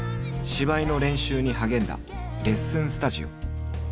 芝居の練習に励んだレッスンスタジオ。